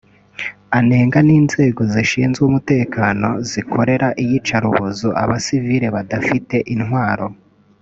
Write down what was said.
anenga n’inzego zishinwe umutekano zikorera iyicarubozo abasivili badafite intwaro